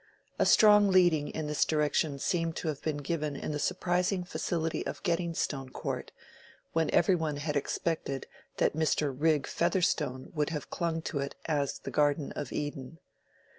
A strong leading in this direction seemed to have been given in the surprising facility of getting Stone Court, when every one had expected that Mr. Rigg Featherstone would have clung to it as the Garden of Eden.